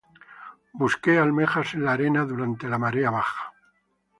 Busqué almejas en la arena durante la marea baja.